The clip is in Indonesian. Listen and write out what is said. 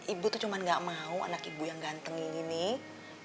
ibu tuh cuma gak mau anak ibu yang ganteng ini nih